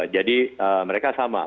jadi mereka sama